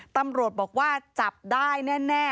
ตำรวจบอกว่าจับได้แน่